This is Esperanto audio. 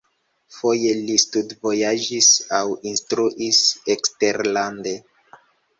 Foje li studvojaĝis aŭ instruis eksterlande.